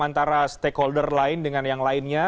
antara stakeholder lain dengan yang lainnya